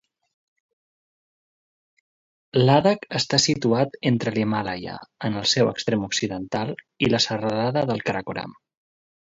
Ladakh està situat entre l'Himàlaia, en el seu extrem occidental, i la serralada del Karakoram.